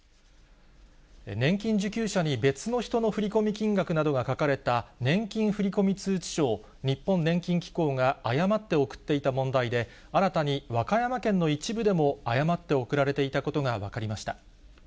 年金受給者に別の人の振込金額などが書かれた年金振込通知書を、日本年金機構が誤って送っていた問題で、新たに和歌山県の一部でも誤って送られていたことが分かりました。